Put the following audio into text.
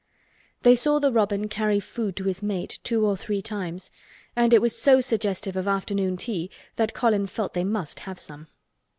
They saw the robin carry food to his mate two or three times, and it was so suggestive of afternoon tea that Colin felt they must have some.